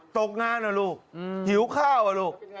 ตกงานล่ะลูกหิวข้าวล่ะลูก